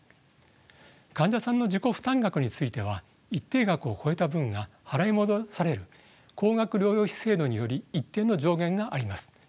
患者さんの自己負担額については一定額を超えた分が払い戻される高額療養費制度により一定の上限があります。